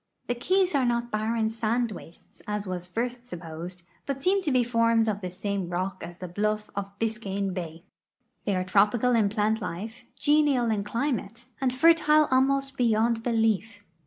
The ke}'s are not barren sand wastes, as was at first supposed, but seem to be formed of the same rock as the bluff of Biscayne bay. They are tropical in plant life, genial in climate, and fertile almost beyond belief.